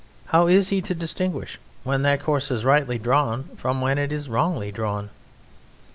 How is he to distinguish when that course is rightly drawn from when it is wrongly drawn?